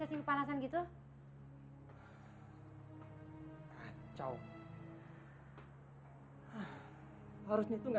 aku menanggapi semuanya